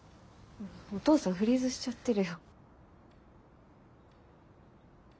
お父さんフリーズしちゃってるよ。